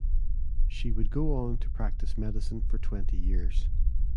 She would go on to practice medicine for twenty years.